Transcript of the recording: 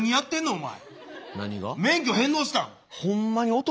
お前。